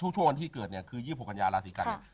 ช่วงที่เกิดเนี่ยคือ๒๖ปัญญาราศีกัณฑ์